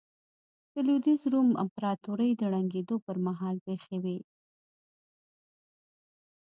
د لوېدیځ روم امپراتورۍ د ړنګېدو پرمهال پېښې وې